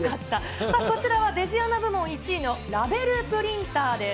こちらはデジアナ部門１位のラベルプリンターです。